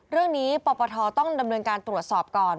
เรื่องนี้ปรปธต้องดำเนินการตรวจสอบก่อน